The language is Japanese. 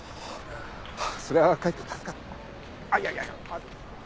それはかえって助かっあっいやいや。